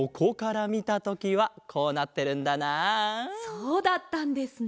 そうだったんですね。